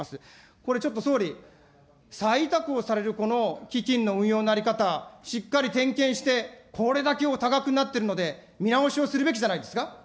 これちょっと総理、再委託をされる基金の運用の在り方、しっかり点検して、これだけお高くなっているので、見直しをするべきじゃないですか。